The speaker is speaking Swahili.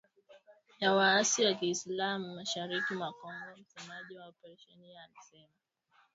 Ya waasi wa kiislam mashariki mwa Kongo msemaji wa operesheni hiyo alisema.